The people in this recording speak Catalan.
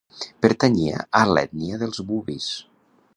Pertanyia a l'ètnia dels bubis.